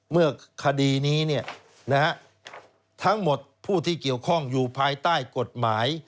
เมื่อคดีนี้ทั้งหมดผู้ที่เกี่ยวข้องอยู่ภายใต้กฎหมาย